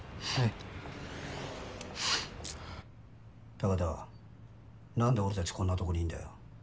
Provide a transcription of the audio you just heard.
高田なんで俺たちこんなとこにいんだよ。